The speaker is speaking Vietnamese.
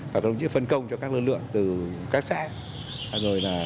phải có lực lượng phân công cho các lực lượng từ các xã